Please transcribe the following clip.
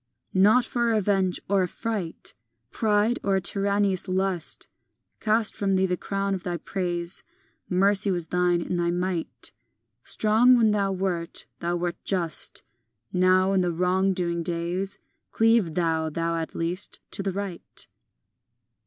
V Not for revenge or affright, Pride, or a tyrannous lust, Cast from thee the crown of thy praise. Mercy was thine in thy might; Strong when thou wert, thou wert just; Now, in the wrong doing days, Cleave thou, thou at least, to the right.